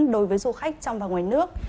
đối với du khách trong và ngoài nước